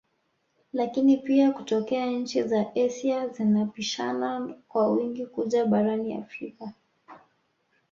Lakini pia kutokea nchi za Asia zinapishana kwa wingi kuja barani Afrika